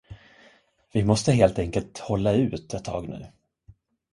Vi måste helt enkelt hålla ut ett tag nu.